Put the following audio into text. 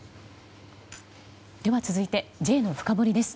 では続いてＪのフカボリです。